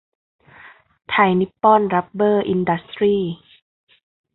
ไทยนิปปอนรับเบอร์อินดัสตรี้